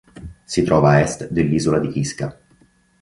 Si trova a est dell'isola di Kiska.